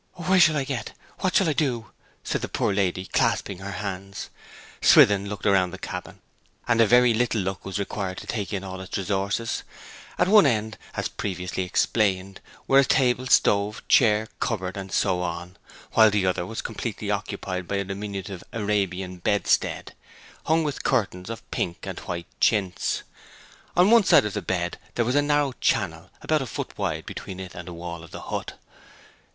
'Where shall I get? What shall I do?' said the poor lady, clasping her hands. Swithin looked around the cabin, and a very little look was required to take in all its resources. At one end, as previously explained, were a table, stove, chair, cupboard, and so on; while the other was completely occupied by a diminutive Arabian bedstead, hung with curtains of pink and white chintz. On the inside of the bed there was a narrow channel, about a foot wide, between it and the wall of the hut.